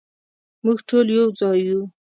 مونږ ټول یو ځای یو